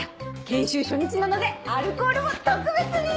研修初日なのでアルコールも特別に！